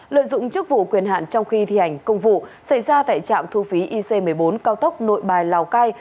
lợi dụng chức vụ quyền hạn trong khi thi hành công vụ xảy ra tại trạm thu phí ic một mươi bốn cao tốc nội bài lào cai